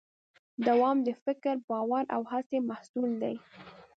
دوام د فکر، باور او هڅې محصول دی.